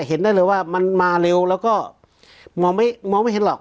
เห็นได้เลยว่ามันมาเร็วแล้วก็มองไม่เห็นหรอก